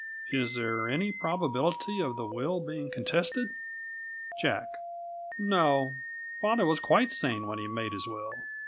Is there any probability of the will being contested? J. No; father was quite sane when he made his will.